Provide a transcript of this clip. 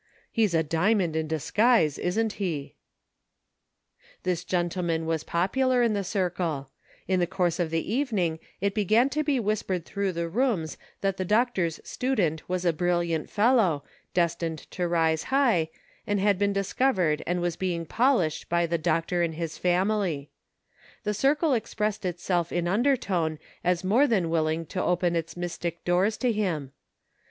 He's a diamond in disguise, isn't he. *" PROGRESS. 235 This gentleman was popular in the circle ; in the course of the evening it began to be whispered through the rooms that the doctor's student was a brilliant fellow, destined to rise high, and had been discovered and was being polished by the doctor and his family. The circle expressed itself in un dertone as more than willing to open its mystic doors to him.